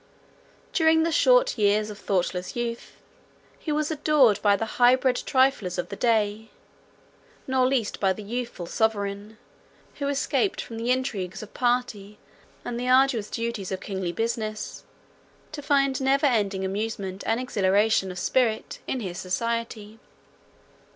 During the short years of thoughtless youth, he was adored by the high bred triflers of the day, nor least by the youthful sovereign, who escaped from the intrigues of party, and the arduous duties of kingly business, to find never failing amusement and exhilaration of spirit in his society.